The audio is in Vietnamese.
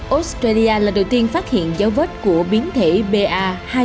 australia là đầu tiên phát hiện dấu vết của biến thể ba hai nghìn một trăm hai mươi một